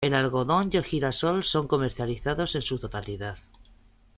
El algodón y el girasol son comercializados en su totalidad.